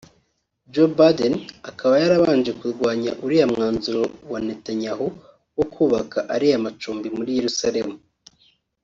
Joe Biden akaba yari yarabanje kurwanya uriya mwanzuro wa Netanyahou wo kubaka ariya macumbi muri Yeruzalemu